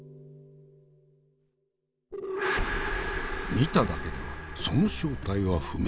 見ただけではその正体は不明。